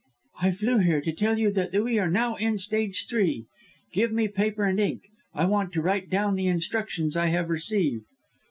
"I flew here to tell you that we are now in stage three. Give me paper and ink. I want to write down the instructions I have received."